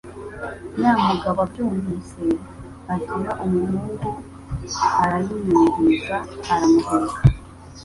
Nyamugabo abyumvise, agira umuhungu arayimwuriza iramuheka.